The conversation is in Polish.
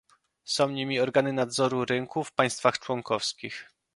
Są nimi organy nadzoru rynku w państwach członkowskich